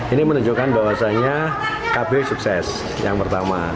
ini menunjukkan bahwasannya kb sukses yang pertama